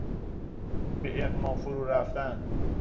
به اغما فرورفتن